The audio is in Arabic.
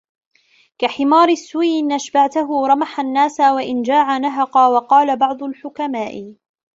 كَحِمَارِ السُّوءِ إنْ أَشْبَعْتَهُ رَمَحَ النَّاسَ وَإِنْ جَاعَ نَهَقْ وَقَالَ بَعْضُ الْحُكَمَاءِ